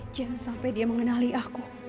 jangan sampai dia mengenali aku